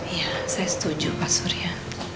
ya saya setuju pak surya